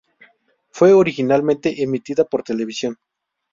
Fue originalmente emitida por televisión.